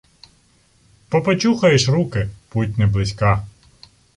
— Попочухаєш руки, путь не близька.